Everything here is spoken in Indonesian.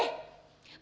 uh kesel deh